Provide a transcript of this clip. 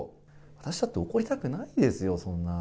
私だって怒りたくないんですよ、そんな。